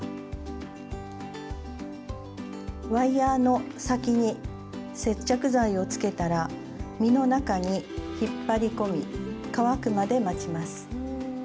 ワイヤーの先に接着剤をつけたら実の中に引っ張り込み乾くまで待ちます。